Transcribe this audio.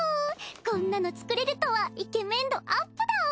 こんなの作れるとはイケメン度アップだお！